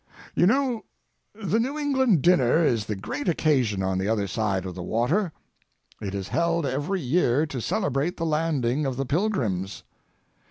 You know the New England dinner is the great occasion on the other side of the water. It is held every year to celebrate the landing of the Pilgrims.